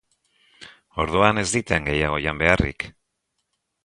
Orduan ez diten gehiago jan beharrik.